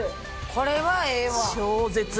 これはええわ。